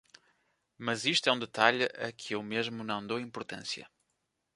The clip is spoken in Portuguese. Mas isto é um detalhe a que eu mesmo não dou importância.